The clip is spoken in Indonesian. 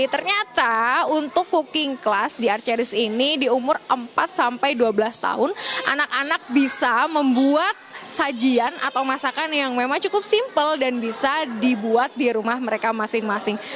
ternyata untuk cooking class di archedis ini di umur empat sampai dua belas tahun anak anak bisa membuat sajian atau masakan yang memang cukup simpel dan bisa dibuat di rumah mereka masing masing